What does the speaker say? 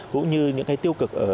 cũng như những cái tiêu cực